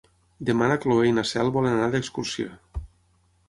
Demà na Cloè i na Cel volen anar d'excursió.